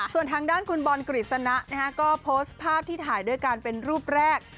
ส่วนทางด้านคุณบอลกฤษณะก็โพสต์ภาพที่ถ่ายด้วยกันเป็นรูปแรก